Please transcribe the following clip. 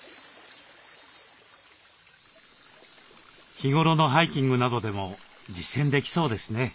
日頃のハイキングなどでも実践できそうですね。